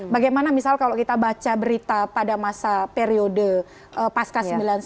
bagaimana misal kalau kita baca berita pada masa periode pasca sembilan puluh sembilan